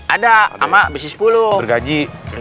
ada ama bc sepuluh bergaji